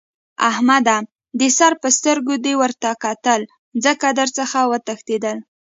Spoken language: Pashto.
احمده! د سر په سترګو دې ورته کتل؛ څنګه در څخه وتښتېدل؟!